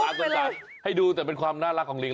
ใส่ให้ดูแต่เป็นความน่ารักของลิง